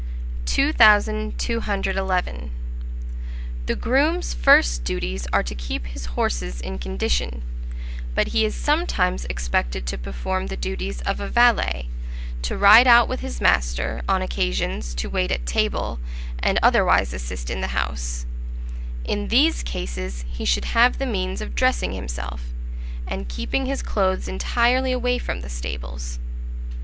2211. The Groom's first duties are to keep his horses in condition; but he is sometimes expected to perform the duties of a valet, to ride out with his master, on occasions, to wait at table, and otherwise assist in the house: in these cases, he should have the means of dressing himself, and keeping his clothes entirely away from the stables.